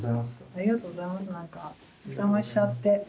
ありがとうございますなんかお邪魔しちゃって。